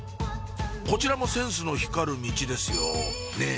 こちらもセンスの光るミチですよねぇ